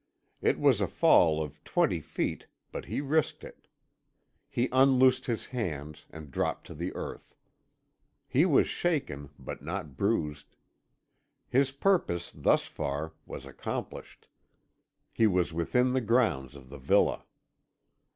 It was a fall of twenty feet, but he risked it. He unloosed his hands, and dropped to the earth. He was shaken, but not bruised. His purpose, thus far, was accomplished. He was within the grounds of the villa.